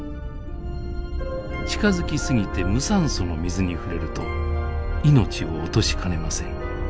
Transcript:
近づきすぎて無酸素の水に触れると命を落としかねません。